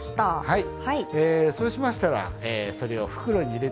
はい。